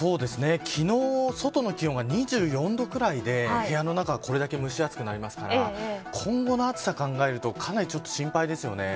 昨日、外の気温が２４度くらいで部屋の中が、これだけ蒸し暑くなりますから今後の暑さを考えるとかなりちょっと心配ですよね。